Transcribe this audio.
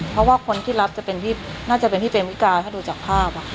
เพราะว่าคนที่รับจะเป็นพี่น่าจะเป็นพี่เมวิกาถ้าดูจากภาพ